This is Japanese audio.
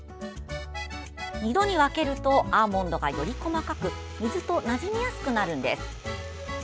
２度に分けるとアーモンドが、より細かく水と馴染みやすくなるんです。